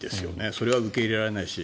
それは受け入れられないし。